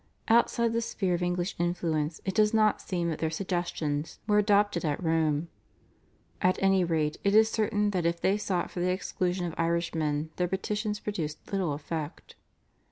Outside the sphere of English influence it does not seem that their suggestions were adopted at Rome. At any rate it is certain that if they sought for the exclusion of Irishmen their petitions produced little effect.